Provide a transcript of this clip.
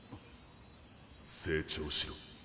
成長しろ。